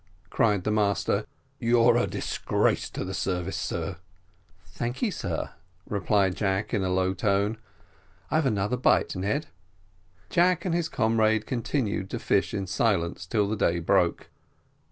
cried the master; "you're a disgrace to the service, sir." "Thank ye, sir," replied Jack, in a low tone. "I've another bite, Ned." Jack and his comrade continued to fish in silence till the day broke.